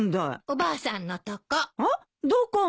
おばあさんのとこ。